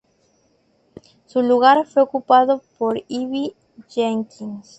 Su lugar fue ocupado por Ivy Jenkins.